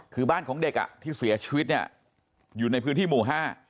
คือบ้านของเด็กที่เสียชีวิตอยู่ในพื้นที่หมู่๕